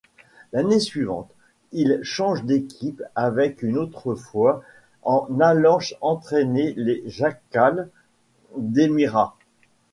L'année suivante, il change d'équipe une autre fois en allant entraîner les Jackals d'Elmira.